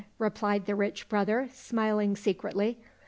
" replied the rich brother, smiling secretly.